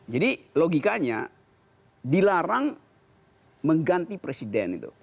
jadi logikanya dilarang mengganti presiden itu